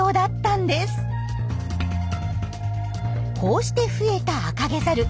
こうして増えたアカゲザル。